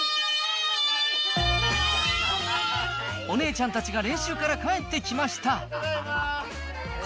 お姉ちゃんたちが練習から帰ってきました。